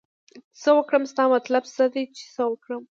څه وکړم ستا مطلب څه دی چې څه وکړم